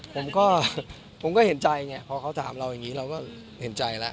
ผมก็เห็นใจไงพอเขาถามเรายังมีเราก็เห็นใจแหละ